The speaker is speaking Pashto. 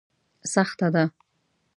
سخته ده.